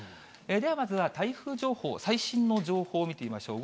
ではまずは台風情報、最新の情報を見てみましょう。